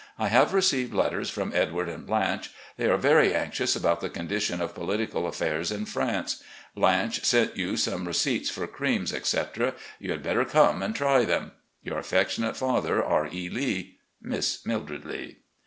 I have received letters from Edward and Blanche. They are very anxious about the condition of political affairs in France. Blanche sent you some receipts for creams, etc. You had better come and try them. " Your affectionate father, R. E. Lee. "Miss Mildred Lee.